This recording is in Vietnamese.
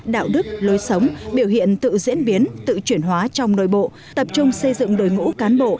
đạo đức lối sống biểu hiện tự diễn biến tự chuyển hóa trong nội bộ tập trung xây dựng đội ngũ cán bộ